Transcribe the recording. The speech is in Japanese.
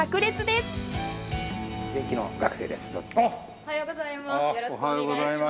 おはようございます。